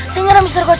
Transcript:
saya nyerah mister coach